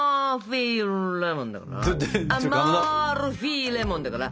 アマルフィレモンだから。